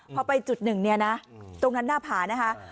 พอไปจุดหนึ่งเนี่ยนะตรงนั้นหน้าผานะคะ